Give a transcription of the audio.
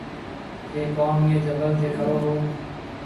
ٿَي ڪوم اِيئي جبل تي ڪرون هون۔